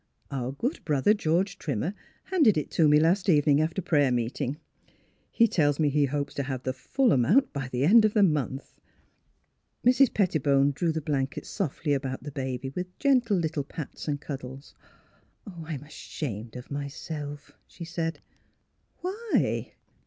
" Our good brother, George Trimmer, handed it to me last evening after prayer meeting. He tells me he hopes to have the full amount by the end of next month." Mrs. Pettibone drew the blankets softly about the baby with gentle little pats and cuddles. " I'm ashamed of myself," she said. "Why?"